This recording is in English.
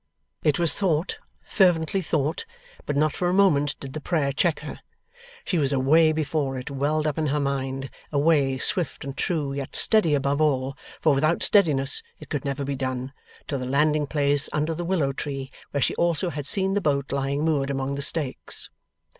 It was thought, fervently thought, but not for a moment did the prayer check her. She was away before it welled up in her mind, away, swift and true, yet steady above all for without steadiness it could never be done to the landing place under the willow tree, where she also had seen the boat lying moored among the stakes.